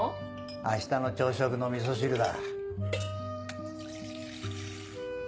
あしたの朝食の味噌汁だ。